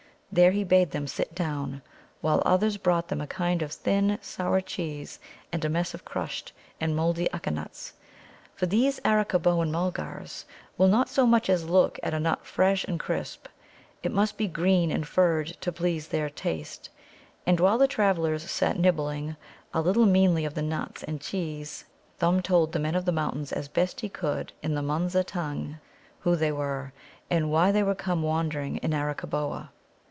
There he bade them sit down, while others brought them a kind of thin, sour cheese and a mess of crushed and mouldy Ukka nuts. For these Arakkaboan Mulgars will not so much as look at a nut fresh and crisp; it must be green and furred to please their taste. And while the travellers sat nibbling a little meanly of the nuts and cheese, Thumb told the Men of the Mountains as best he could in the Munza tongue who they were, and why they were come wandering in Arakkaboa.